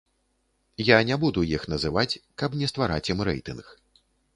Я не буду іх называць, каб не ствараць ім рэйтынг.